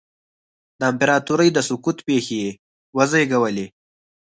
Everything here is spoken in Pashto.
د امپراتورۍ د سقوط پېښې یې وزېږولې.